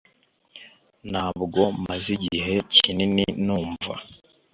ntabwo maze igihe kinini numva